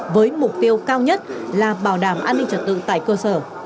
với mục tiêu cao nhất là bảo đảm an ninh trật tự tại cơ sở